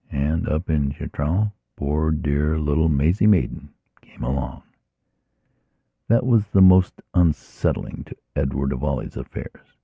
And, up in Chitral, poor dear little Maisie Maidan came along.... That was the most unsettling to Edward of all his affairs.